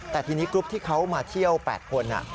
แต่ทีนี้กรุ๊ปที่เขามาเที่ยว๘คน